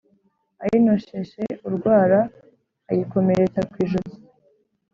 Ayinosheshe urwara ayikomeretse ku ijosi